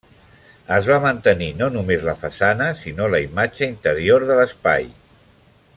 Es va mantenir no només la façana sinó la imatge interior de l'espai.